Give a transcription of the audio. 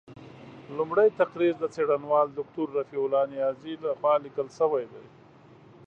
لومړۍ تقریض د څېړنوال دوکتور رفیع الله نیازي له خوا لیکل شوی دی.